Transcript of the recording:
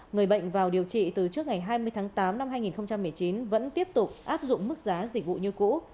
người bệnh vào điều trị từ trước ngày hai mươi tháng tám năm hai nghìn một mươi chín vẫn tiếp tục áp dụng mức giá dịch vụ như cũ